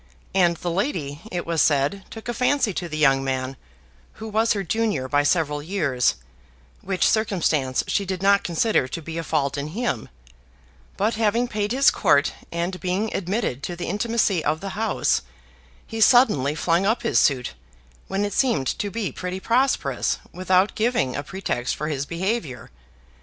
And the lady, it was said, took a fancy to the young man, who was her junior by several years (which circumstance she did not consider to be a fault in him); but having paid his court, and being admitted to the intimacy of the house, he suddenly flung up his suit, when it seemed to be pretty prosperous, without giving a pretext for his behavior.